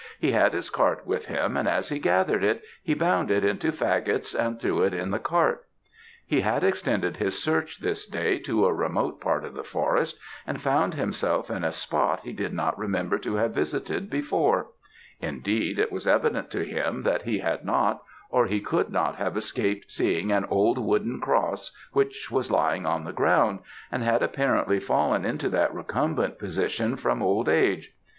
He had his cart with him, and as he gathered it he bound it into faggots and threw it in the cart. He had extended his search this day to a remote part of the forest, and found himself in a spot he did not remember to have visited before; indeed, it was evident to him that he had not, or he could not have escaped seeing an old wooden cross which was lying on the ground, and had apparently fallen into that recumbent position from old age.